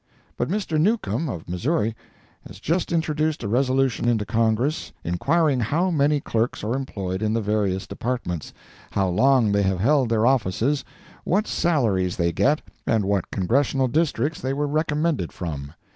But Mr. Newcomb, of Missouri, has just introduced a resolution into Congress, inquiring how many clerks are employed in the various Departments, how long they have held their offices, what salaries they get, and what Congressional Districts they were recommended from.